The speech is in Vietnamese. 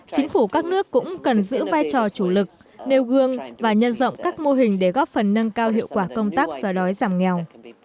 chính phủ các nước cũng cần giữ vai trò chủ lực nêu gương và nhân rộng các mô hình để góp phần nâng cao hiệu quả công tác xóa đói giảm nghèo